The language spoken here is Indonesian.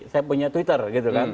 saya punya twitter gitu kan